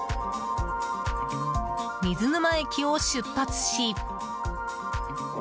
水沼駅を出発し。